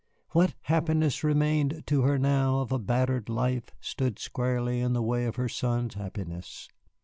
What happiness remained to her now of a battered life stood squarely in the way of her son's happiness.